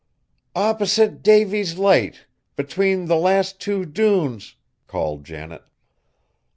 "Opposite Davy's Light between the last two dunes!" called Janet.